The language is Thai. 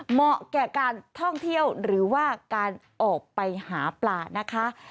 เหมาะแก่การท่องเที่ยวหรือว่าการออกไปหาปลานะคะ